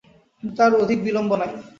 কিন্তু আর অধিক বিলম্ব নাই।